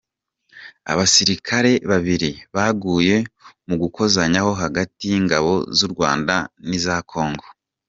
Abasirikare babiri baguye mu gukozanyaho hagati y’ingabo z’u Rwanda n’iza Congo